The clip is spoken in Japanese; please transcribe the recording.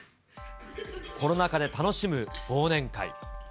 コロナ禍で楽しむ忘年会。